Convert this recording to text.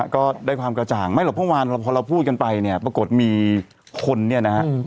ก็ได้ความกระจ่างไม่หรอกเมื่อวานพอเราพูดกันไปเนี่ยปรากฏมีคนเนี่ยนะฮะ